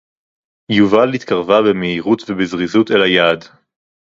יוּבָל הִתְקָרֶבֶה בִּמְהִירוּת וּבִזְרִיזוּת אֶל הַיַּעַד